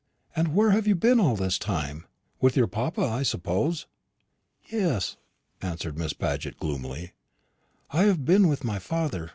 And where have you been all this time? With your papa, I suppose." "Yes," answered Miss Paget gloomily; "I have been with my father.